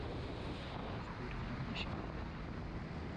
نو ستوري هم نه شي لیدلی.